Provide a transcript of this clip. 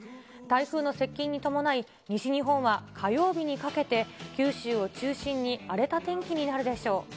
台風の接近に伴い、西日本は火曜日にかけて九州を中心に荒れた天気になるでしょう。